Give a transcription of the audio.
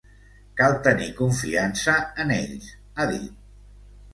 “Cal tenir confiança en ells”, ha dit.